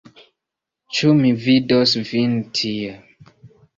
Ĉu mi vidos vin tie?